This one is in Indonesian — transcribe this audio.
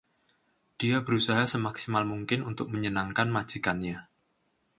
Dia berusaha semaksimal mungkin untuk menyenangkan majikannya.